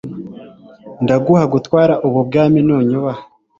ndaguha gutwara ubu bwami nunyubaha